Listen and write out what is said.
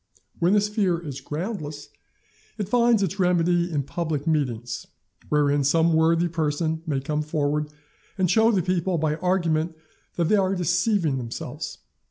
When this fear is groundless, it finds its remedy in public meetings, wherein some worthy person may come forward and show the people by argument that they are deceiving themselves.